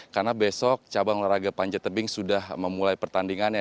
karena besok cabang olahraga panjat tebing sudah memulai pertandingannya